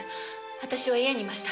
私は家にいました。